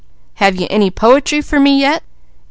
"Have you any poetry for me yet?"